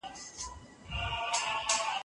تر منزله یې د مرګ لاره وهله